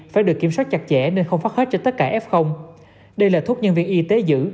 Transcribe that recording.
phải được kiểm soát chặt chẽ nên không phát hết cho tất cả f đây là thuốc nhân viên y tế giữ